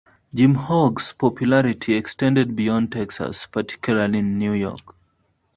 Jim Hogg's popularity extended beyond Texas, particularly in New York.